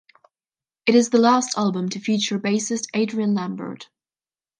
It is the last album to feature bassist Adrian Lambert.